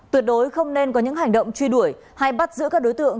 tuyệt đối không nên có những hành động truy đuổi hay bắt giữ các đối tượng